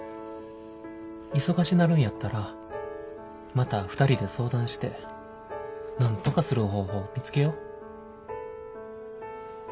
忙しなるんやったらまた２人で相談してなんとかする方法見つけよう。